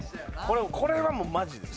これはもうマジです